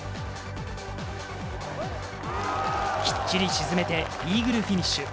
きっちり沈めてイーグルフィニッシュ。